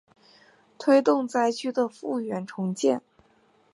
推动灾区的复原重建